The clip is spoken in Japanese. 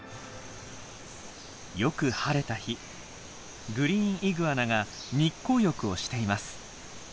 よく晴れた日グリーンイグアナが日光浴をしています。